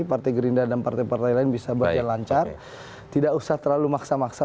partai gerindra dan partai partai lain bisa berjalan lancar tidak usah terlalu maksa maksa